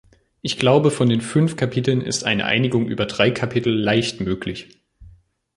Ich glaube, von den fünf Kapiteln ist eine Einigung über drei Kapitel leicht möglich.